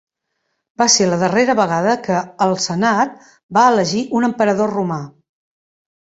Va ser la darrera vegada que el Senat va elegir un Emperador Romà.